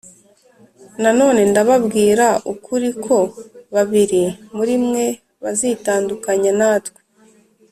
Nanone ndababwira ukuri ko babiri muri mwe bazitandukanya natwe